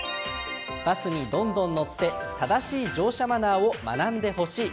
バスにどんどん乗って正しい乗車マナーを学んでほしい。